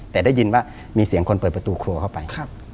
แต่ได้ยินว่ามีเสียงคนเปิดประตูครัวเข้าไป